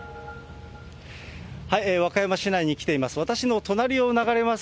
和歌山市内に来ています。